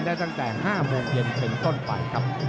ตั้งแต่๕โมงเย็นเป็นต้นไปครับ